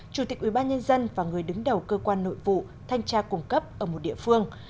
chủ tịch ủy ban nhân dân và người đứng đầu cơ quan nội vụ thanh tra cung cấp ở một địa phương